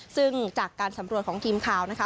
ซึ่งจากการสำรวจของทีมข่าวนะคะ